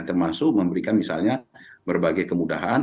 termasuk memberikan misalnya berbagai kemudahan